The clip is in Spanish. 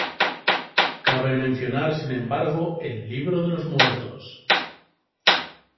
Cabe mencionar sin embargo el Libro de los Muertos.